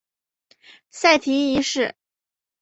塞提一世。